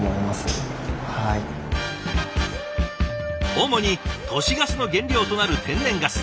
主に都市ガスの原料となる天然ガス。